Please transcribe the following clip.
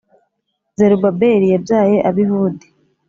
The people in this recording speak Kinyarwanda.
Zerubabeli yabyaye Abihudi